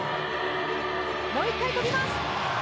もう１回跳びます。